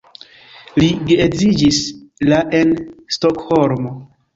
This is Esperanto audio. Ili geedziĝis la en Stokholmo.